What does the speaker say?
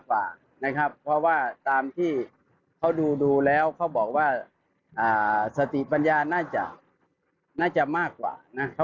กว่านะครับเพราะว่าตามที่เขาดูแล้วเขาบอกว่าสติปัญญาน่าจะน่าจะมากกว่านะ